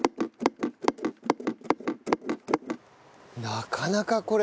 なかなかこれ。